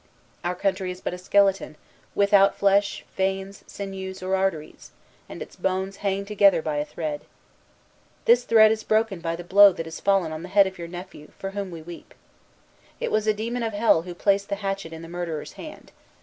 Our country is but a skeleton, without flesh, veins, sinews, or arteries; and its bones hang together by a thread. This thread is broken by the blow that has fallen on the head of your nephew, for whom we weep. It was a demon of Hell who placed the hatchet in the murderer's hand.